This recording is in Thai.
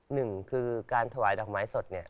หนึ่งคือการถวายดอกไม้สดเนี่ย